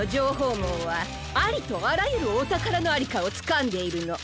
もうはありとあらゆるおたからのありかをつかんでいるの。